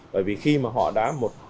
bởi vì khi mà họ đã